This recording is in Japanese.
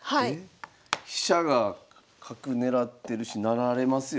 飛車が角狙ってるし成られますよ。